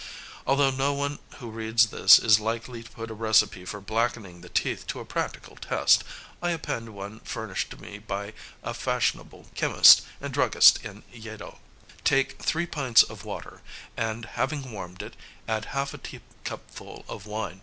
Although no one who reads this is likely to put a recipe for blackening the teeth to a practical test, I append one furnished to me by a fashionable chemist and druggist in Yedo: "Take three pints of water, and, having warmed it, add half a teacupful of wine.